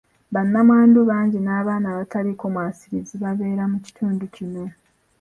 Bannamwandu bangi n'abaana abataliiko mwasirizi babeera mu kitundu kino.